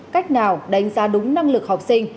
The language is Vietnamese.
cách nào đánh giá đúng năng lực học sinh